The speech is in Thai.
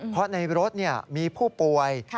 เพราะในรถมีผู้ป่วย